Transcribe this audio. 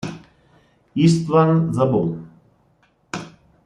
István Szabó